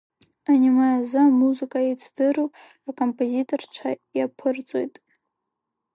Аниме азы амузыка еицдыру акомпозиторцәа иаԥырҵоит.